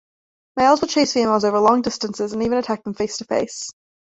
Males will chase females over long distances and even attack them face-to-face.